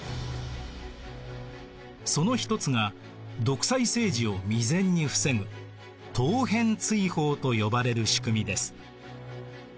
そのひとつが独裁政治を未然に防ぐ陶片追放と呼ばれる仕組みです。